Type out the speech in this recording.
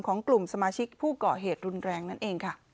ของกลุ่มสมาชิกผู้ก่อเหตุรุนแรงนั่นเองค่ะ